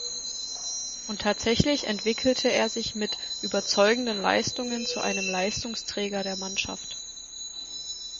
Und tatsächlich entwickelte er sich mit überzeugenden Leistungen zu einem Leistungsträger der Mannschaft.